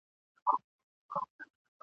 دوې هیلۍ وي له خپل سېله بېلېدلې !.